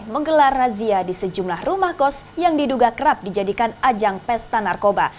menggelar razia di sejumlah rumah kos yang diduga kerap dijadikan ajang pesta narkoba